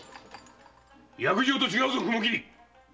約定と違うぞ雲切！